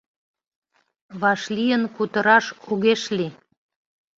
Вашлийын кутыраш огеш лий.